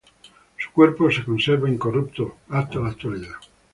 Su cuerpo se conserva incorrupto hasta la actualidad.